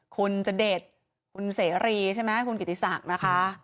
คุณจเดชคุณเสรีใช่ไหมคุณกิติศักดิ์นะคะ